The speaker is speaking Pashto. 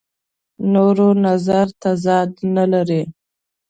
نورو نظر تضاد نه لري.